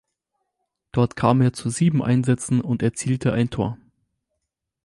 Dort kam er zu sieben Einsätzen und erzielte ein Tor.